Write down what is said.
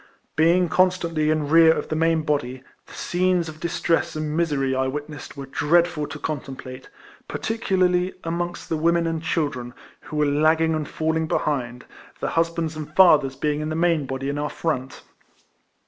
Being constantly in rear of the main body, the scenes of distress and misery I witnessed were dreadful to contemplate, particularly amongst the women and children, who were lagging and falling behind, their husbands and fathers being in the main body in our front.